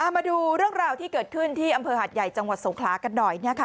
มาดูเรื่องราวที่เกิดขึ้นที่อำเภอหาดใหญ่จังหวัดสงขลากันหน่อย